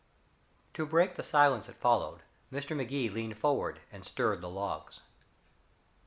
To break the silence that followed, Mr. Magee leaned forward and stirred the logs.